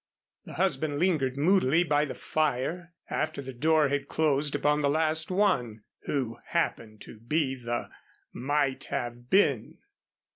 The husband lingered moodily by the fire after the door had closed upon the last one, who happened to be the might have been.